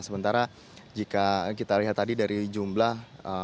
sementara jika kita lihat tadi dari jumlah